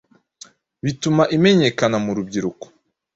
bituma imenyekana mu rubyiruko